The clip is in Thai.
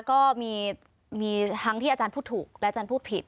ก็มีทั้งที่อาจารย์พูดถูกและอาจารย์พูดผิด